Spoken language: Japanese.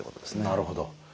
なるほど。